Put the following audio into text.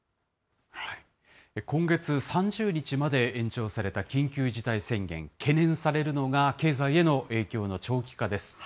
今月３０日まで延長された緊急事態宣言、懸念されるのが経済への影響の長期化です。